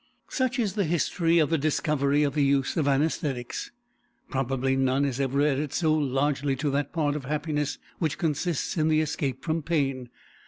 Such is the history of the discovery of the use of anæsthetics. Probably, none has ever added so largely to that part of happiness which consists in the escape from pain.